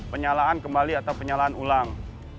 penyalaan kembali atau penyalaan ulang